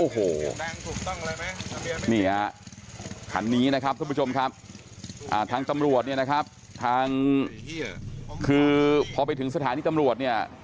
โอ้โหนี่ฮะคันนี้นะครับทุกผู้ชมครับทางตำรวจเนี่ยนะครับทางคือพอไปถึงสถานีตำรวจเนี่ย